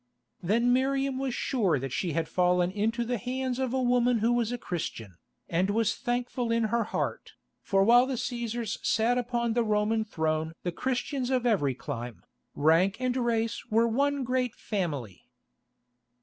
Then Miriam was sure that she had fallen into the hands of a woman who was a Christian, and was thankful in her heart, for while the Cæsars sat upon the Roman throne the Christians of every clime, rank and race were one great family.